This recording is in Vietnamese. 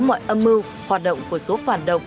mọi âm mưu hoạt động của số phản động